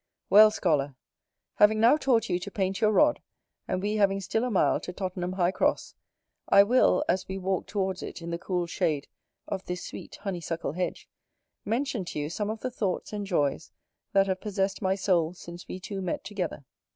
Well, Scholar, having now taught you to paint your rod, and we having still a mile to Tottenham High Cross, I will, as we walk towards it in the cool shade of this sweet honeysuckle hedge, mention to you some of the thoughts and joys that have possessed my soul since we two met together.